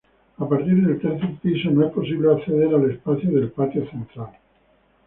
A partir del tercer piso, no es posible acceder al espacio del Patio Central.